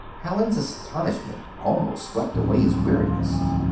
Hallin's astonishment almost swept away his weariness.